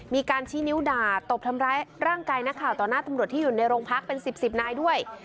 มีการชี้นิ้วด่าตบทำร้ายร่างกายนักข่าวต่อหน้าตำรวจที่อยู่ในโรงพักเป็น๑๐นายด้วย